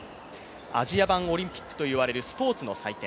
アジア版オリンピックといわれるスポーツの祭典。